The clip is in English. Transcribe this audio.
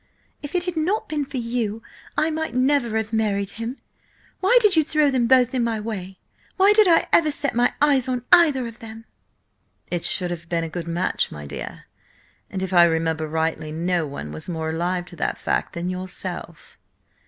"If it had not been for you, I might never have married him. Why did you throw them both in my way? Why did I ever set eyes on either?" "It should have been a good match, my dear, and, if I remember rightly, no one was more alive to that fact than yourself."